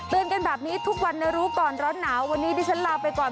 กันแบบนี้ทุกวันในรู้ก่อนร้อนหนาววันนี้ดิฉันลาไปก่อน